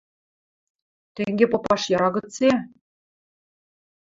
– Тенге попаш яра гыце?